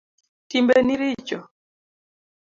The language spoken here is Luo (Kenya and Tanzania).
Timbeni richo